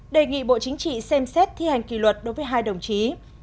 đề nghị bộ chính trị xem xét thi hành kỷ luật đối với hai đồng chí